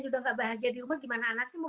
juga tidak bahagia di rumah bagaimana anaknya